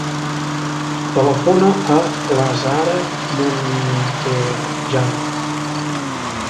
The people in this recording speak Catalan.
Telefona a l'Azahara Montejano.